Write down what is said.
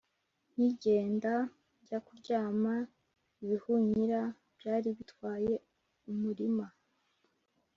nkigenda njya kuryama ibihunyira byari bitwaye umurima,